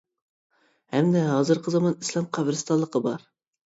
ھەمدە ھازىرقى زامان ئىسلام قەبرىستانلىقى بار.